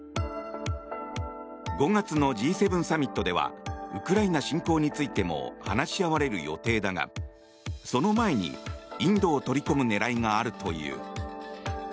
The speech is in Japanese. ５月のＧ７サミットではウクライナ侵攻についても話し合われる予定だがその前にインドを取り込む狙いがあるという。